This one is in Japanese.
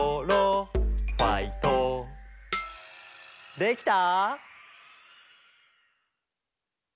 できた？